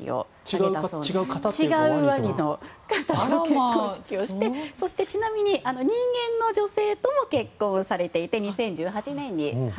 違うワニの方の結婚式をしてちなみに人間の女性とも結婚をされていて２０１８年に。